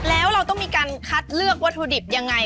แล้วเราต้องมีการคัดเลือกวัตถุดิบยังไง